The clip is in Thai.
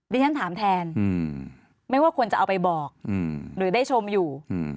ฉันถามแทนไม่ว่าควรจะเอาไปบอกหรือได้ชมอยู่